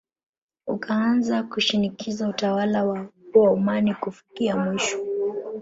Ukaanza kushinikiza utawala wa Waomani Kufikia mwisho